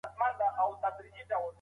تېر وختونه هېر کړئ او راتلونکي ته وګورئ.